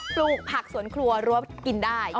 ปลูกผักสวนครัวรั้วกินได้